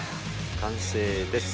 完成です。